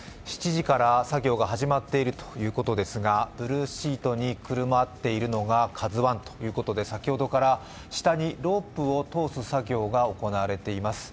７時から作業が始まっているということですが、ブルーシートにくるまれているのが「ＫＡＺＵⅠ」ということで先ほどから下にロープを通す作業が行われています。